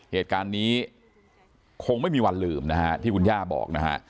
เหตุการณ์นี้คงไม่มีวันลืมนะฮะที่คุณย่าบอกนะฮะ